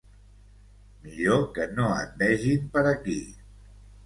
Millor que no et vegin per aquí.